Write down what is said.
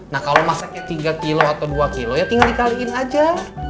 nah kalau masaknya tiga kilo atau dua kilo ya tinggal dikaliin aja